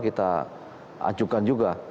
kita acukan juga